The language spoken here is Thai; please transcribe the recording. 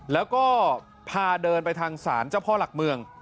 แล้วก็พาเดินไปทางศาลเจ้าพ่อหลักเมือง